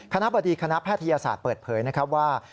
คณะบดีคณะแพทยศาสตร์เปิดเผยนะครับว่า